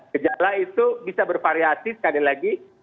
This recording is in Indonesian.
gejala itu bisa bervariasi sekali lagi